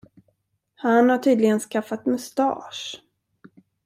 Han har tydligen skaffat mustasch.